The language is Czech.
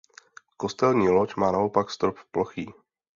Kostelní loď má naopak strop plochý.